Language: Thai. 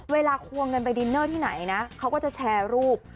เวลาควงเงินไปดินเนอร์ที่ไหนนะเขาก็จะแชร์รูป